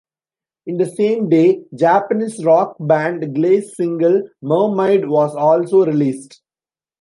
In the same day, Japanese rock band Glay's single "Mermaid" was also released.